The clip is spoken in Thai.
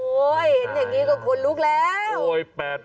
เห็นอย่างนี้ก็คนลุกแล้ว